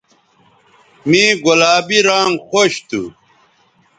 مے گلابی رانگ خوش تھو